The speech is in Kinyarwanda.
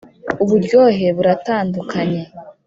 uburyohe buratandukanye.